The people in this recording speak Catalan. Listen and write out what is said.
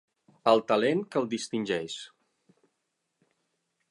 El talent que el distingeix.